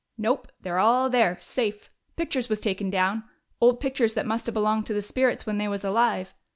"Nope. They're all there safe. Pictures was taken down old pictures that must a belonged to the spirits when they was alive.